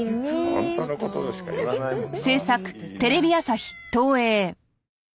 本当の事しか言わないもんな。